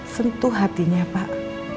sentuh hatinya pak